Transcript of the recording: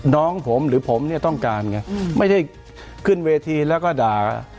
น้องผมหรือผมเนี่ยต้องการไงไม่ได้ขึ้นเวทีแล้วก็ด่า